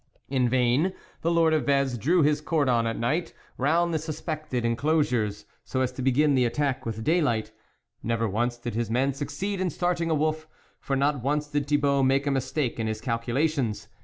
In vain the Lord of Vez drew his cordon at night round the suspected enclosures, so as to begin the attack with daylight ; never once did his men succeed in start ing a wolf, for not once did Thibault make a mistake in his calculations.